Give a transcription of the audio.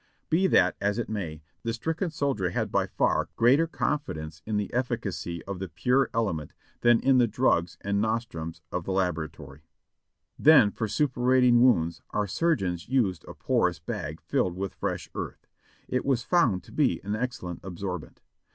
Be that as it may, the stricken soldier had by far greater confidence in the efficacy of the pure element than in the drugs and nostrums of the laboratory. Then for suppurating THK REAR GUARD OF THE GRAND ARMY. 551 wounds our surgeons used a porous bag filled with fresh earth ; it was found to be an excellent absorbent.